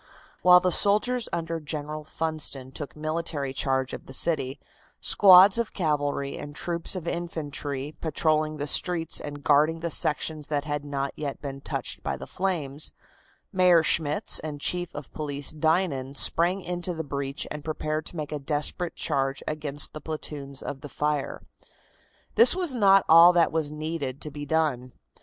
While the soldiers under General Funston took military charge of the city, squads of cavalry and troops of infantry patrolling the streets and guarding the sections that had not yet been touched by the flames, Mayor Schmitz and Chief of Police Dinan sprang into the breach and prepared to make a desperate charge against the platoons of the fire. This was not all that was needed to be done.